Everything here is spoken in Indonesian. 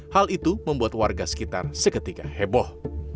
hal itu membuat warga sekitar seketika heboh